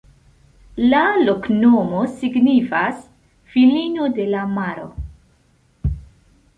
La loknomo signifas: filino de la maro.